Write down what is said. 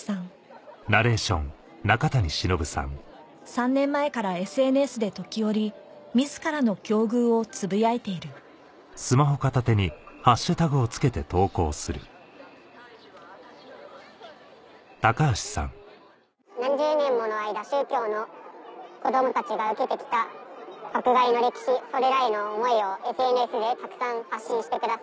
３年前からＳＮＳで時折自らの境遇をつぶやいている「何十年ものあいだ宗教の子ども達が受けてきた迫害の歴史それらへの想いをＳＮＳでたくさん発信してください。